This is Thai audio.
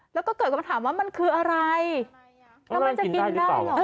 แล้วก็เกิดคำถามว่ามันคืออะไรแล้วมันจะกินได้เหรอ